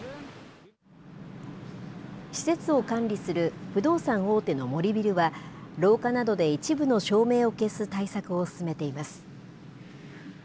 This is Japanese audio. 施設を管理する不動産大手の森ビルは廊下などで一部の照明を消す対策を進めています。